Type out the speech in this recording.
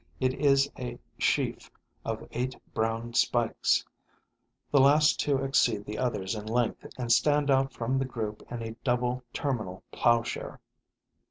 It is a sheaf of eight brown spikes. The last two exceed the others in length and stand out from the group in a double terminal plowshare.